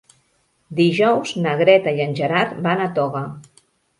Dijous na Greta i en Gerard van a Toga.